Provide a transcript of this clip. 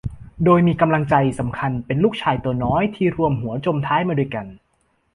โดยมีกำลังใจสำคัญเป็นลูกชายตัวน้อยที่ร่วมหัวจมท้ายมาด้วยกัน